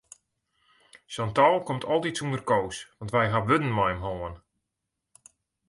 Chantal komt altyd sûnder Koos want wy hawwe wurden mei him hân.